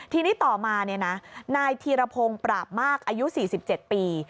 ทีนี้ต่อมานายธีรพงศ์ปราบมากอายุ๔๗ปี